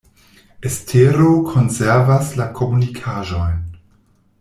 Estero konservas la komunikaĵojn.